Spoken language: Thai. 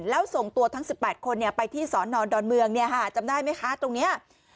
แล้วส่งตัวทั้ง๑๘คนไปที่สอนอนดอนเมืองจำได้ไหมคะตรงนี้